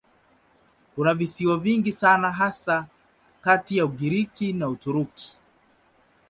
Kuna visiwa vingi sana hasa kati ya Ugiriki na Uturuki.